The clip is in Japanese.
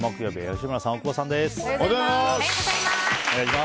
木曜日は吉村さん、大久保さんです。